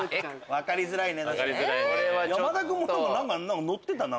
分かりづらいね。